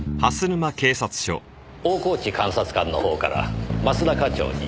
大河内監察官の方から益田課長に。